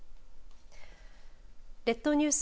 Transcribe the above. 列島ニュース